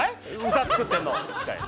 歌作ってんの」みたいな。